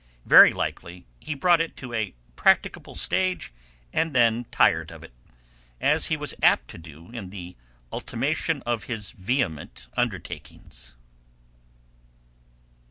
Very likely he brought it to a practicable stage, and then tired of it, as he was apt to do in the ultimation of his vehement undertakings.